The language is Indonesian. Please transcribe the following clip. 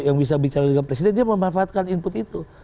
yang bisa bicara dengan presiden dia memanfaatkan input itu